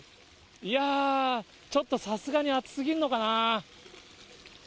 いやー、ちょっとさすがに暑すぎるのかな。